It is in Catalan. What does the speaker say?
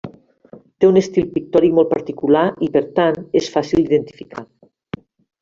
Té un estil pictòric molt particular i, per tant, és fàcil d'identificar.